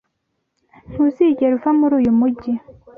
Ntuzigera uva muri uyu mujyi.